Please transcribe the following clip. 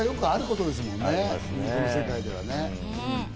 この世界ではね。